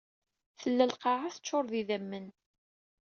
Tella lqaɛa teččuṛ d idammen.